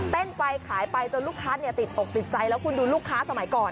ไปขายไปจนลูกค้าติดอกติดใจแล้วคุณดูลูกค้าสมัยก่อน